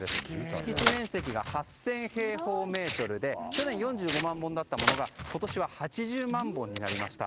敷地面積が８０００平方メートルで去年は４５万本だったものが今年は８０万本になりました。